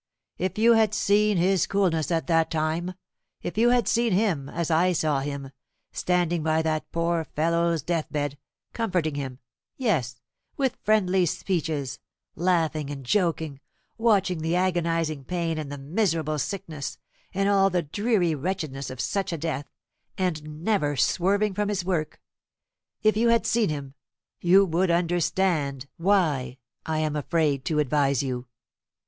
If you had seen his coolness at that time; if you had seen him, as I saw him, standing by that poor fellow's deathbed, comforting him yes, with friendly speeches laughing and joking, watching the agonising pain and the miserable sickness, and all the dreary wretchedness of such a death, and never swerving from his work; if you had seen him, you would understand why I am afraid to advise you.